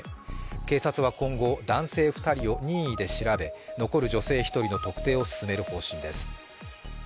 警察は今後、男性２人を任意で調べ、残る女性１人の特定を進める方針です。